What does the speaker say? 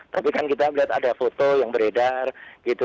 tapi kan kita melihat ada foto yang beredar gitu